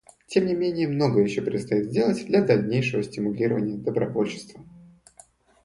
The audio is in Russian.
Тем не менее многое еще предстоит сделать для дальнейшего стимулирования добровольчества.